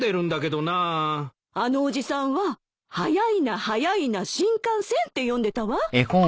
あのおじさんは「速いな速いな新幹線」って読んでたわ。